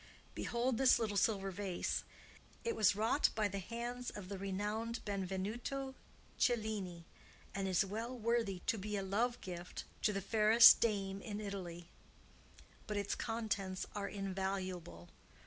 Behold this little silver vase! It was wrought by the hands of the renowned Benvenuto Cellini, and is well worthy to be a love gift to the fairest dame in Italy. But its contents are invaluable.